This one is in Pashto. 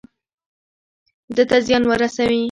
ده ته زيان ورسوي.